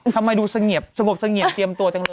ทำไมดูเสงียบสงบเสงี่ยมเตรียมตัวจังเลย